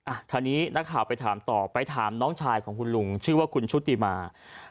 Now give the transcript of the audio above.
คราวนี้นักข่าวไปถามต่อไปถามน้องชายของคุณลุงชื่อว่าคุณชุติมา